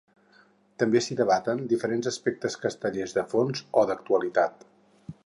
També si debaten diferents aspectes castellers de fons o d'actualitat.